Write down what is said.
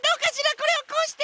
これをこうして。